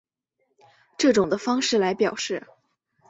这种的方式来表示。